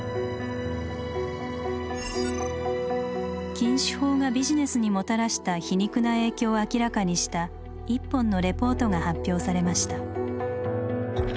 禁酒法がビジネスにもたらした皮肉な影響を明らかにした１本のレポートが発表されました。